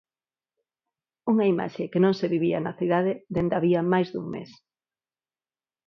Unha imaxe que non se vivía na cidade dende había máis dun mes.